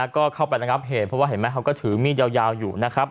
ก็เข้าไปนะครับเห็นไหมเขาก็ถือมีดยาวอยู่นะครับ